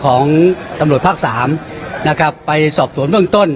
ของตำรวจภาค๓นะครับไปสอบตวงจิกฝวงต้น